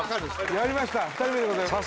やりました２人目でございます